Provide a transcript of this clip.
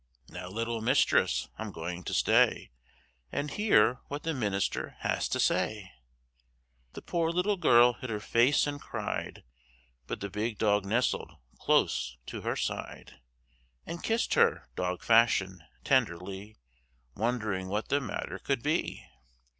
Now little mistress, I'm going to stay, And hear what the minister has to say." The poor little girl hid her face and cried! But the big dog nestled close to her side, And kissed her, dog fashion, tenderly, Wondering what the matter could be!